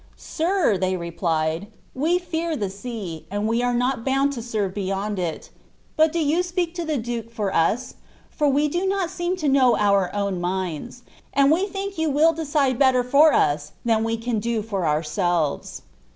Sir,'' replied they, "■ we fear the sea, and we are not bound to tent beyond it; but do you speak to the duke for us. for we do nut seem to knnw our own minds, and we think you will decide heller for us tlwa we, cnn Ao fbr ourselves."'